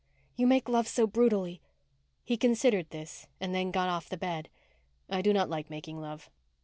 "You make love so brutally." He considered this and then got off the bed. "I do not like making love."